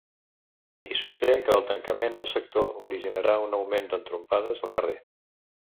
I sosté que el tancament del sector originarà un augment d’entrompades al carrer.